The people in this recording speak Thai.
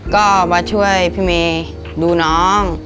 ก็มาช่วยพี่เมย์ดูน้อง